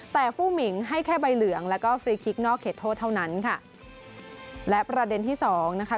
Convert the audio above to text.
แต่ผู้หมิงให้แค่ใบเหลืองแล้วก็ฟรีคลิกนอกเขตโทษเท่านั้นค่ะและประเด็นที่สองนะคะ